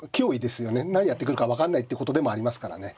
何やってくるか分かんないということでもありますからねはい。